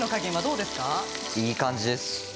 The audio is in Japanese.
いい感じです。